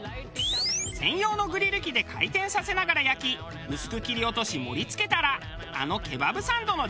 専用のグリル機で回転させながら焼き薄く切り落とし盛り付けたらあのケバブサンドの出来上がり。